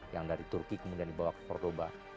yang dari turki kemudian dibawa ke pordoba